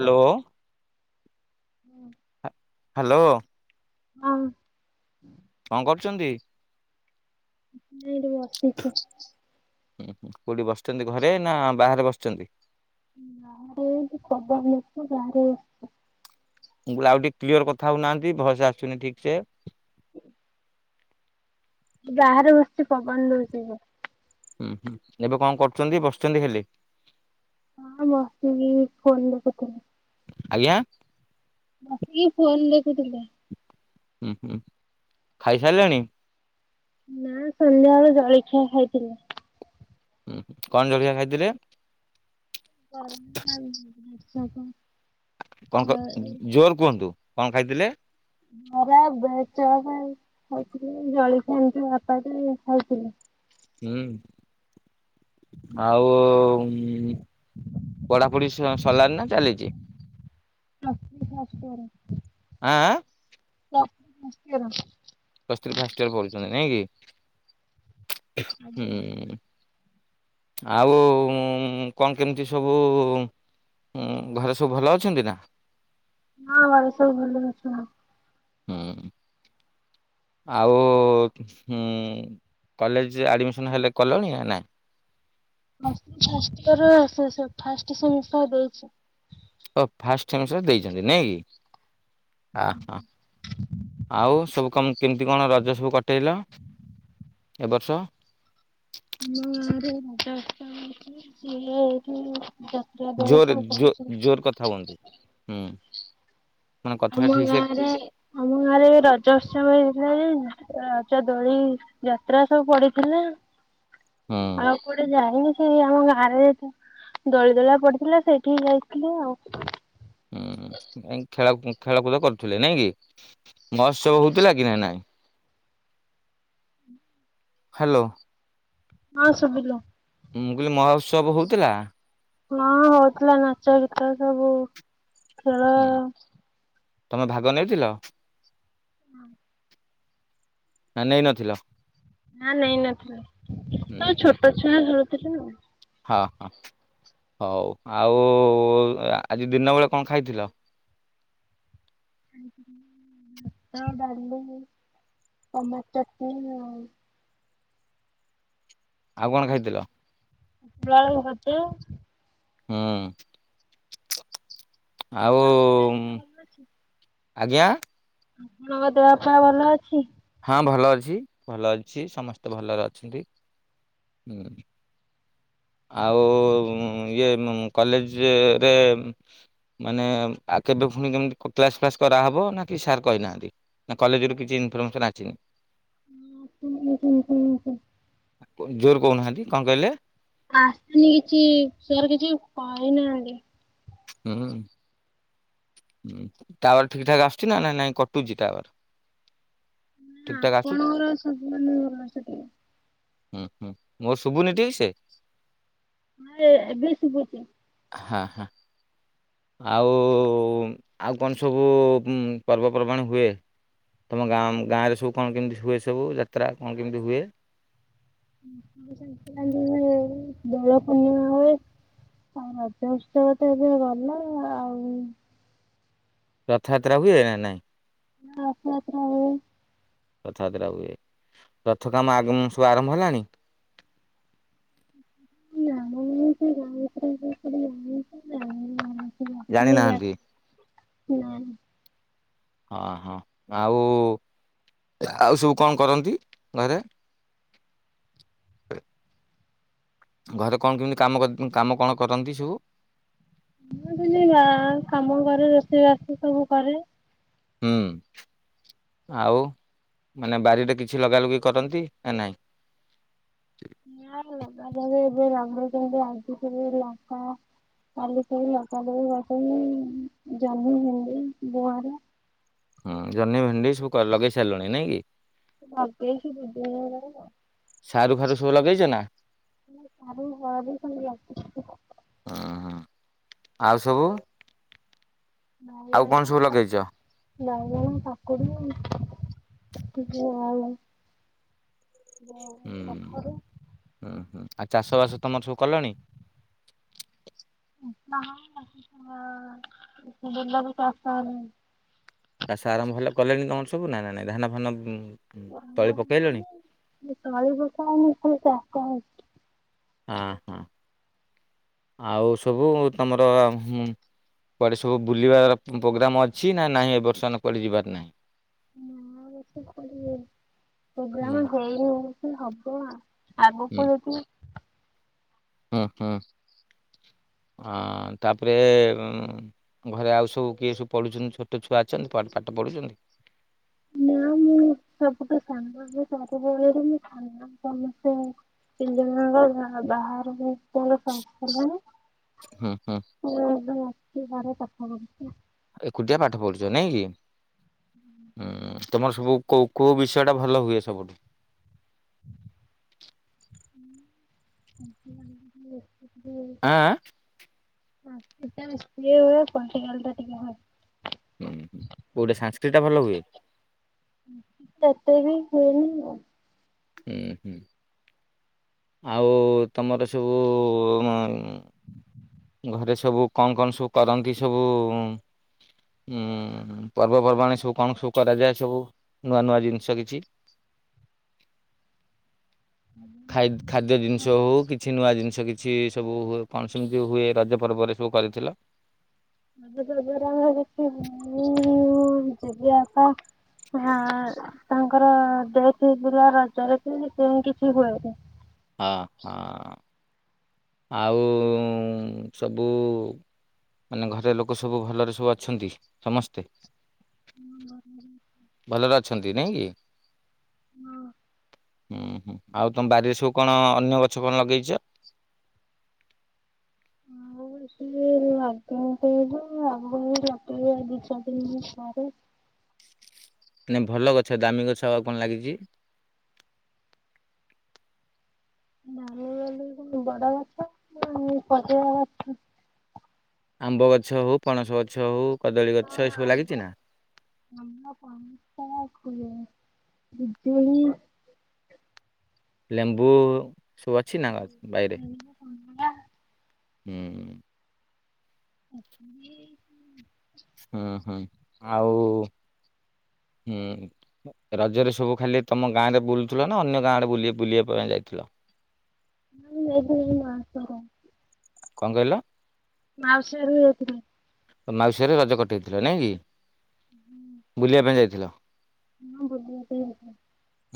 Hello. ହଁ hello. ହଁ କଣ କରୁଛନ୍ତି? ଏଇଠି ବସିଛି। ହୁଁ ହୁଁ କୁଠି ବସିଛନ୍ତି ଘରେ ନା ବାହାରେ ବସିଛନ୍ତି? [unintelligible] ଆଉ ଟିକେ କ୍ଲିୟର କଥା ହଉ ନାହାନ୍ତି ଭଏସ ଆସୁନି ଠିକ ସେ। ହ ବାହାରେ ବସିଛି ପବନ ଦଉଛି ଯେ ହୁଁ ହୁଁ ଏବେ କଣ କରୁଛନ୍ତି ବସିଛନ୍ତି ହେଲେ? ହଁ ବସିଥିଲି ଫୋନ୍ କରିଥିଲି। ଆଜ୍ଞା। ବସିକି ଫୋନ ଦେଖୁଥିଲି। ହୁଁ ହୁଁ ଖାଇ ସାରିଲେଣି? ନା ସନ୍ଧ୍ୟାବେଳେ ଜଳଖିଆ ଖାଇଥିଲି। ହୁଁ କଣ ଜଳଖଆ ଖାଇଥିଲେ? [unintelligible] କଣ କ ଜୋରରେ କୁହନ୍ତୁ କଣ ଖାଇଥିଲେ? [unintelligible] ହୁଁ ଆଉ ପଢାପଢି ସ ସଲାର ନା ଚାଲିଛି? ଆଁ ଆଁ [unintelligible] [unintelligible] ପ୍ଲସ ଥ୍ରି ଫାଷ୍ଟ ୟର ପଢ଼ୁଛନ୍ତି ନାଇଁ କି ଆଜ୍ଞା। ହୁଁ। ଆଉ କଣ କେମିତି ସବୁ ହଁ ଘରେ ସବୁ ଭଲ ଅଛନ୍ତି ନା? ହଁ ଘରେ ସବୁ ଭଲଏ ଅଛନ୍ତି। ହୁଁ ଆଉ ଉଁ କଲେଜ ଆଡ଼ମିସନ୍ ହେଲେ କଲେଣି ନା ନାଇ? [unintelligible] ଫାଷ୍ଟ ସେମିଷ୍ଟାର ଦେଇଛି। ଓ ଫାଷ୍ଟ ସେମିଷ୍ଟର ଦେଇଛନ୍ତି ନାଇଁ କି ଅହ। ଆଉ ସବୁ କ କେମିତି କଣ ରଜ ସବୁ କଟେଇଲ ଏ ବର୍ଷ? [unintelligible] ଜୋର ସବୁ ଜୋ କରୁଛନ୍ତି। ଜୋର କଥା ହୁଅନ୍ତୁ ହୁଁ। ମାନେ କଥାଟା ଆମ ଠିକ ସେ ଗାଁରେ ଆମ ଗାଁରେ ରଜ ଉତ୍ସବ ହେଇଥିଲା ଯେ ରଜ ଦୋଳି ଯାତ୍ରା ସବୁ ପଡିଥିଲା ହୁଁ। ଆଉ କୋଉଠେ ଯାଇନି ସେଇ ଆମ ଗାଁରେ ଯେତ ଦୋଳି ଦୋଳା ପଡିଥିଲା ସେଇଠିି ଯାଇଥିଲି ଆଉ। ହୁଁ ଖେଳ ଖେଳକୁଦ କରୁଥିଲେ ନାଇଁ କି ମହୋତ୍ସବ ଆଜ୍ଞା। ହଉଥିଲା କି ନା ନାଇଁ? ହ୍ୟାଲୋ। ହଁ ଶୁଭିଲା। ମୁଁ କହିଲି ମହା ଉତ୍ସବ ହଉଥିଲା। ହଁ ହଉଥିଲା ନାଚ, ଗୀତ ସବୁ ଖେଳ। ହୁଁ ତମେ ଭାଗ ନେଇଥିଲ? ନା। ନା ନେଇ ନଥିଲ। ନା ନେଇ ନଥିଲି ହୁଁ ସବୁ ହୁଁ ଛୋଟ ଛୁଆ ଖେଳୁଥିଲେ ଆଉ। ହଁ ହଁ ହଉ ଆଉ ଆଜି ଦିନ ବେଳେ କଣ ଖାଇଥିଲ? ଖାଇଥିଲି ଭାତ, ଡାଲି, ଟମାଟୋ ଚଟଣୀ ଆଉ। ଆଉ କଣ ଖାଇଥିଲ? ଳ ଆଳୁ ଭଜା। ହୁଁ। [inaudible] ଆଉ ଭଲ ଅଛି। ଆଜ୍ଞା ମୋ ଦେହ ପା ଭଲ ଅଛି। ହଁ ଭଲ ଅଛି ଭଲ ଅଛି ସମସ୍ତେ ଭଲରେ ଅଛନ୍ତି ହୁଁ। ଆଉଁ ଇଏ ଉଁ କଲେଜରେ ଏବେ ଉଁ। ମାନେ ଆ କେବେ ପୁଣି କେମିତି କ କ୍ଲାସ ଫ୍ଲାସ୍ କରାହବ ନା କି ସାର୍ କହିନାହାନ୍ତି। ନା କଲେଜ ରୁ କିଛି ଇନଫର୍ମେସନ ଆଚିନି। ଉଁ [unintelligible] ପ ଜୋରେ କହୁନାହାନ୍ତି କଣ କହିଲେ? ଆସିନି କିଛି ସାର କିଛି କହିନାହାନ୍ତି। ହୁଁ। ହୁଁ ଟାୱାର ଠିକ ଠାକ ଆସୁଛି ନା ନାଇଁ ନାଇଁ କଟୁଛି ଟାୱାର। ଠିକ ନା ଠାକ ଆସୁଛି? ଆପଣଙ୍କର ସବୁ ମାନେ [unintelligible] ହୁଁ ହୁଁ ମୋର ଶୁଭୁନି ଠିକ ସେ। ନା ଏ-ଏବେ ଶୁଭୁଛି। ଆ ହା ହା। ଆଉ ଆଉ କଣ ସବୁ ଉଁ ପର୍ବପର୍ବାଣି ହୁଏ? ତମ ଗାଁ ଗାଁରେ ସବୁ କଣ କେମି‌ତି ହୁଏ ସବୁ ଯାତ୍ରା କଣ କେମିତି ହୁଏ? [inaudible] ଦୋଳ ପୂର୍ଣିମା ହୁଏ। ଆଉ ରଜ ଉତ୍ସବ ତ ଏବେ ଗଲା ଆଉ। ରଥଯାତ୍ରା ହୁଏ ନା ନାଇଁ। ନା ରଥଯାତ୍ରା ହୁଏ। ରଥଯାତ୍ରା ହୁଏ। ରଥ କାମ ଆଗମ୍ ସବୁ ଆରମ୍ଭ ହେଲାଣି। ନା। [unintelligible] [unintelligible] ଜାଣି ନାହାନ୍ତି। ନା। ଅ ହଁ ଆଉ ଆଉ ସବୁ କଣ କରନ୍ତି ଘରେ? ହ ଘରେ କଣ କେମିତି କାମ କ କାମ କଣ କରନ୍ତି ସବୁ? ମୁଁ [unintelligible] କାମ କରେ ରୋଷେଇ ବାସ ସବୁ କରେ। ହୁଁ ଆଉ ମାନେ ବାରିରେ କିଛି ଲଗା ଲଗି କରନ୍ତି ନା ନାହିଁ? ନା ଲଗା ଲାଗି ଏବେ ଲଗେଇଛନ୍ତି [unintelligible] ଲଙ୍କା। କାଲି ସେଇ ଲଙ୍କା ଯୋଉ [unintelligible] ଜହ୍ନି, ଭେଣ୍ଡି [unintelligible] ହୁଁ ଜହ୍ନି, ଭେଣ୍ଡି ସବୁ କ ଲଗେଇ ସାରିଲୁଣି ନାଇଁ କି। ମାଗ ହ ଦୁଦି [inaudible] ସାରୁ ଫାରୁ ସବୁ ଲଗେଇଛ ନା? ଆାରୁ ଘର ବି ଆସି [inaudible] ହଁ ଆଉ ସବୁ ଆଉ କଣ ସବୁ ଲଗେଇଛ? ନାଇଁ ନାଇଁ କାକୁଡି ଏତିକି ଆଉ। ଓଉ ହୁଁ କଖାରୁ। ହୁଁ ହୁଁ ଆଉ ଚାଷ ବାସ ତମର ସବୁ କଲଣି? [unintelligible] ହଁ ବିଲରେ ଚାଷ ହେଲେଣି। ଚାଷ ଆରମ୍ଭ ଭଲ କଲେଣି ତମର ସବୁ ନାଁ ନା ନାଇଁ ଧାନ ଫାନ ତଳି ପକେଇଲଣି? ହେଲାଣି। ତଳି ପକାହେଇନି ଖାଲି ଚାଷ ହେଇଚି। ହଁ ହଁ ଆଉ ସବୁ ତମର ଆଉ କୁଆଡେ ସବୁ ବୁଲିବାର ପ୍ରୋଗ୍ରାମ ଅଛି ନା ନାହିଁ ଏ ବର୍ଷ କୁଆଡେ ଯିବାର ନାହିଁ। ନା ଏ ବର୍ଷ କରିବେନି ପ୍ରୋଗ୍ରାମ ହୁଁ ହେଇନି। ହେଇ ହବ ଆ ହୁଁ ଆଗକୁ ଯଦି ହୁଁ ହୁଁ ଆ ତାପରେ ଘରେ ଆଉ ସବୁ କିଏ ସବୁ ପଢ଼ୁଛନ୍ତି ଛୋଟ ଛୁଆ ଅଛନ୍ତି ପା ପାଠ ପଢ଼ୁଛନ୍ତି? ନା ମୁଁ ସବୁଠୁ ସାନ ସମସ୍ତଙ୍କ ଠୁ ମୁଁ ସାନ ସମସ୍ତେ [inaudible] ତିନି ଜଣଙ୍କ ବାହା ବାହାହେବା ପାଇଁ [unintelligible] ସଂସ୍ଥା [unintelligible] ହୁଁ ହୁଁ। [unintelligible] ରାତିସାରା ପାଠପଢ଼ୁଛି। ଏକୁଟିଆ ପାଠ ପଢୁଛ ନାଇଁ କି? ହୁଁ। ତମର ସବୁ କୋଉ କୋଉ ବିଷୟଟା ଭଲ ହୁଏ ସବୁଠୁ? [unintelligible] ଆଁ ଆଁ। ସାନସ୍କିଟ ଟା ବେଶି ହୁଏ ପଲିଟିକାଲ ଟା ଟିକେ ହୁଏ। ହୁଁଁ ହୁଁ କୋଉଟା ସାଂସ୍କ୍ରିଟ ଟା ଭଲ ହୁଏ? ଏତେ ବି ହୁଏନି ଆଉ। ହୁଁ ହୁଁ ଆଉ ତମର ସବୁ ଘରେ ସବୁ କଣ କଣ ସବୁ କରନ୍ତି ସବୁ ଉୁଁ ପର୍ବପର୍ବାଣି ସବୁ କଣ ସବୁ କରାଯାଏ ସବୁ ନୂଆ ନୂଆ ଜିନିଷ କିଛି? ଖାଇ ଖାଦ୍ୟ ଜିନିଷ ହଉ କିଛି ନୂଆ ଜିନିଷ କି କିଛି ସବୁ ହୁଏ କଣ ସେମିତି ହୁଏ। ରଜ ପର୍ବରେ ସବୁ କରିଥିଲ? [unintelligible] ଆମର କିଛି ମୁଁ ଜୁଲିଆ ଅପା ହଁ ତାଙ୍କର ଯେହେତୁ ଏଥର ରଜରେ [unintelligible] କିଛି ହୁଏ। ହଁ ହଁ। ଆଉ ସବୁ ମାନେ ଘରେ ଲୋକ ସବୁ ଭଲରେ ସବୁ ଅଛନ୍ତି ସମସ୍ତେ [inaudible] ଭଲରେ ଅଛନ୍ତି ନାଇଁ କି? ହଁ। ହୁଁ ହୁଁ ଆଉ ତୁମ ବାରିରେ ସବୁ କଣ ଅନ୍ୟ ଗଛ କଣ ଲଗେଇଛ? [unintelligible] ଲଗେଇବା ର ଦିଇ ଚାରି ଦିନ ଥରେ ନାଇଁ ଭଲ ଗଛ ଦାମୀ ଗଛ ଆଉ କଣ ଲାଗିଛି? [unintelligible] ବଡ଼ ଗଛ [unintelligible] ଗଛ। ଆମ୍ବ ଗଛ ହୋଉ ପଣସ ଗଛ ହୋଉ କଦଳୀ ଗଛ ଏସବୁ ଲାଗିଛି ନା? ପିଜୁଳି ଲେମ୍ବୁ ସବୁ ଅଛି ନା ବାଇରେ ନାଆ ହୁଁ ହୁଁ ତ କିଏ ଏଇଠି ଓହୋଃ ଆଉ ହୁଁ ରଜ୍ୟରେ ସବୁ ଖାଲି ତମ ଗାଁ ରେ ବୁଲୁଥିଲ ନା ଅନ୍ୟ ଗାଁ ଆଡ଼େ ବୁଲି ବୁଲିବା ପାଇଁ ଯାଇଥିଲ ହଁ ଏଇଠି ଏଇ ମା ଙ୍କ ପାଇଁ କଣ କହିଲ ମାଉସି ଘରକୁ ଯାଇଥିଲି ତମ ମାଉସୀ ଘରେ ରଜ କଟେଇଥିଲା ନାଇଁ କି ହୁଁ କୁଆଡ଼େ ଯାଇଥିଲ ବୁଲିବାକୁ ଯାଇଥିଲି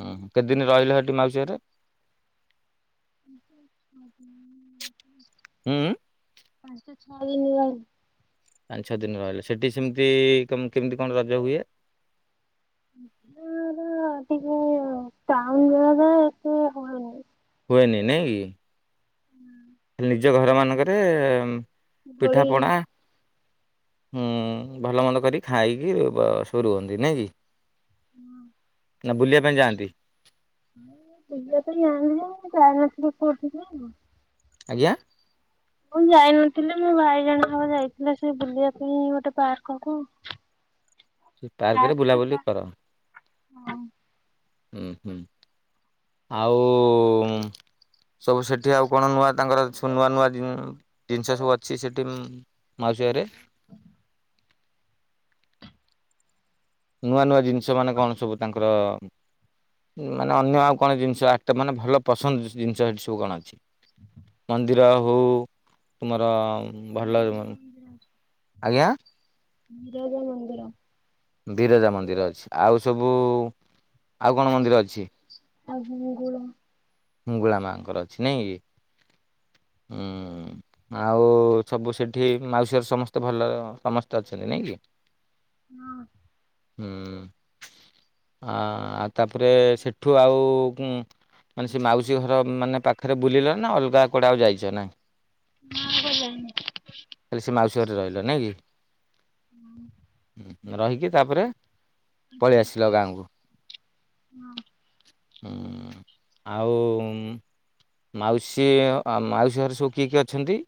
ହୁଁ କେତେ ଦିନ ରହିଲ ସେଠି ମାଉସୀ ଘରେ ହୁଁ ଉଁ ପାଞ୍ଚ ଛଅ ଦିନ ରହିଲି ପାଞ୍ଚ ଛଅ ଦିନ ରହିଲ ସେଠି ସେମିତି କେମିତି କଣ ରଜ ହୁଏ ହ ଟ ତାଉନୁରେ ହୁଏନି ନାଇଁ କି ହୁଁ ନିଜ ଘରମାନଙ୍କରେ ଦୋଳି ପିଠାପଣା ହୁଁ ଭଲ ମନ୍ଦ କରିକି ଖାଇକି ରୁହନ୍ତି ନାଇଁ କି ହଁ ନା ବୁଲିବା ପାଇଁ ଯାଆନ୍ତି ପଇିବା ପାଇଁ ଆଣିଲି କାରନାଥ କୋଉଠି ଆଉ ଆଜ୍ଞା ମୁଁ ଯାଇନଥିଲି ମୋ ଭାଇଜଣ ହବ ଯାଇଥିଲ ସେ ବୁଲିବା ପାଇଁ ଗୋଟେ ପାର୍କକୁ ହଁ ହଁ ହୁଁ ହୁଁ ଆଉ ସବୁ ସେଠି ଆଉ କଣ ନୂଆ ତାଙ୍କର ସବୁ ନୂଆ ନୂଆ ଜିନିଷ ସବୁ ଅଛି ସେଠି ମାଉସୀ ଘରେ ହ ନୂଆ ନୂଆ ଜିନିଷ ମାନେ କଣ ସବୁ ତାଙ୍କର ମାନେ ଅନ୍ୟ ଆଉ କଣ ଜି‌ନିଷ ଆଟ୍ ମାନେ ଭଲ ପସନ୍ଦ ଜିନି‌ଷ ଏଠି ସବୁ କଣ ଅଛି ମନ୍ଦିର ହଉ ତୁମର ଭଲ ବିରଜା ମନ୍ଦିର ଅଛି ଆଜ୍ଞା ବିରଜା ମନ୍ଦିର ବିରଜା ମନ୍ଦିର ଅଛି ଆଉ ସବୁ ଆଉ କଣ ମନ୍ଦିର ଅଛି ଆଉ ହିଙ୍ଗୁଳା ମୁଙ୍ଗୁଳା ମାଙ୍କର ଅଛି ନାଇଁ କି ହୁଁ ଆଉ ସବୁ ସେଠି ମାଉସୀ ଘରେ ସମସ୍ତେ ଭଲ ସମସ୍ତେ ଅଛନ୍ତି ନାଇଁ କି ହଁ। ହୁଁ, ଆ ଆଉ ତାପରେ ସେଠୁ ଆଉ ମାନେ ସେ ମାଉସୀ ଘର ମାନେ ପାଖରେ ବୁଲିଲ ନା ଅଲଗା କୁଆଡେ ଆଉ ଯାଇଛ ନାହିଁ। ନା ଆଉ କୁଆଡେ ଯାଇନୁ। ଖାଲି ସେ ମାଉସୀ ଘରେ ରହିଲ ନାଇଁ କି। ହୁଁ ରହିକି ତାପରେ ପଳେଇ ଆସିଲ ଗାଁକୁ। ହୁଁ। ଆଉ ମାଉସୀ, ଆଉ ମାଉସୀ ଘରେ ସବୁ କିଏ କିଏ ଅଛନ୍ତି?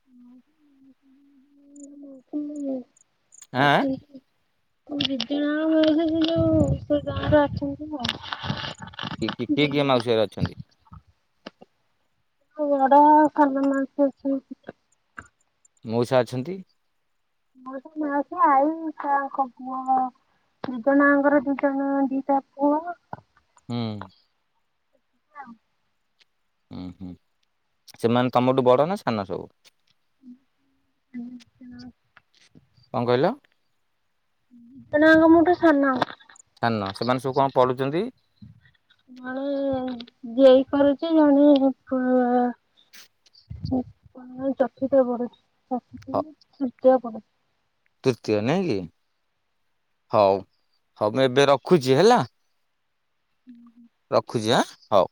ହ ଆଁ ଆଁ। [inaudible] କିଏ ଆଉ ଦି କିଏ ଜଣ ମାଉସୀ ଘରେ ଅଛନ୍ତି? ମୋ ବଡ ଆଉ ସାନ ମାଉସୀ ଅଛି। ମଉସା ଅଛନ୍ତି? ମଉସା, ମାଉସୀ, ଆଇ ତାଙ୍କ ପୁଅ। ଦିଜଣ ଆଙ୍କର ଦି ଜଣ ଦିଟା ପୁଅ। ହୁଁ। ଉଁ ହୁଁ। ସେମାନେ ତମଠୁ ବଡ ନା ସାନ ସବୁ? କଣ କହିଲ? [unintelligible] ମୋଠୁ ସାନ। ସାନ, ସେମାନେ ସବୁ କଣ ପଢୁଛନ୍ତି? ଜଣେ ଜେଇ କରୁଛି, ଜଣେ ଚତୁର୍ଥ ରେ ପଢ଼ୁଛି। ଚତୁର୍ଥ ହଁ ନା ତୃତୀୟରେ ପଢୁଛି। ତୃତୀୟ ନାଇଁ କି ହଉ, ହଉ ମୁଁ ଏବେ ରଖୁଛି ହେଲା। ହୁଁ ହୁଁ ରଖୁଛି ଆଁ ହଉ।